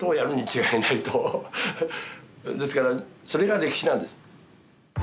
ですからそれが歴史なんです。